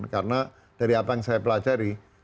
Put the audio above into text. karena dari apa yang saya pelajari